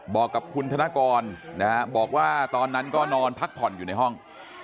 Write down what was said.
บอกกับคุณธนกรนะฮะบอกว่าตอนนั้นก็นอนพักผ่อนอยู่ในห้อง